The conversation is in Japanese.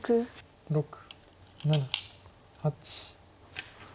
６７８。